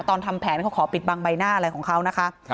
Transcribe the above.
ทำแผนเขาขอปิดบังใบหน้าอะไรของเขานะคะ